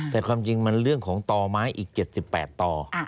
แต่ความจริงมันเรื่องของต่อไม้อีก๗๘ต่อ